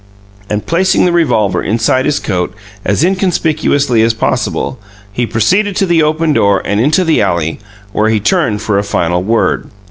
And placing the revolver inside his coat as inconspicuously as possible, he proceeded to the open door and into the alley, where he turned for a final word.